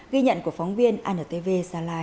ghi nhận của phóng viên antv sa lai